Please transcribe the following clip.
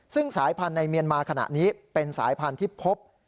ซึ่งสายพันธุ์ในเมียนมาขณะนี้เป็นสายพันธุ์ที่พบ